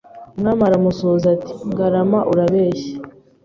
Umwami aramusubiza ati Ngarama urabeshya